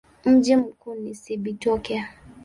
Mji mkuu ni Cibitoke.